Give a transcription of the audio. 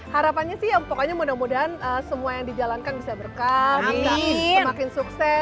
harapannya sih pokoknya mudah mudahan semua yang dijalankan bisa berkah bisa semakin sukses